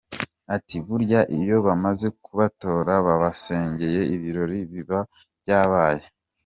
Ati “Burya iyo bamaze kubatora babasengeye ibirori biba byabaye.